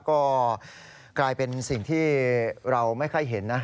ก็กลายเป็นสิ่งที่เราไม่ค่อยเห็นนะ